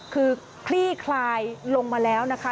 คือคลี่คลายลงมาแล้วนะคะ